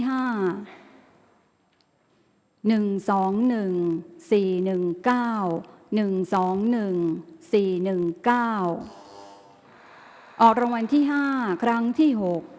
ออกรางวัลที่๕ครั้งที่๖